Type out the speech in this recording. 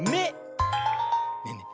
ねえねえ